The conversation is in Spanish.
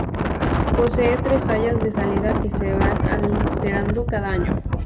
Posee tres sayas de salida que se van alternando cada año.